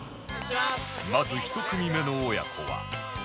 まず１組目の親子は